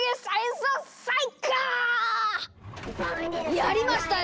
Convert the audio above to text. やりましたね